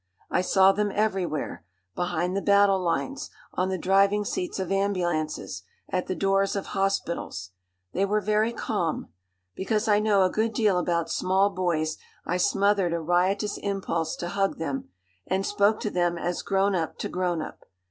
I saw them everywhere behind the battle lines, on the driving seats of ambulances, at the doors of hospitals. They were very calm. Because I know a good deal about small boys I smothered a riotous impulse to hug them, and spoke to them as grown up to grown up.